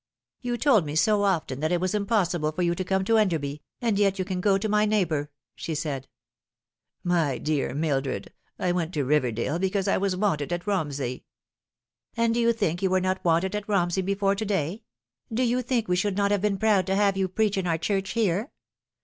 " You told me so often that it was impossible for you to come to Enderby, and yet you can go to my neighbour," aha said. "My dear Mildred, I went to Riverdale because I was wanted at Romsey." " And do you think you were not wanted at Romsey before to day ? do you think we should not have been proud to have you preach in our church here